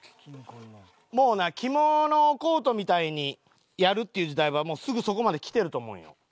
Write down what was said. もうな着物をコートみたいにやるっていう時代はもうすぐそこまで来てると思うんよ。